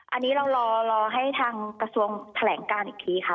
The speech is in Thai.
อันนี้เรารอให้ทางกระทรวงแถลงการอีกทีค่ะ